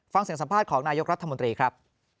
ฟังเสียงสัมภาษณ์ของนายกรัฐมนตรีครับ